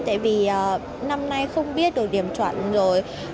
tại vì năm nay không biết được điểm chuẩn rồi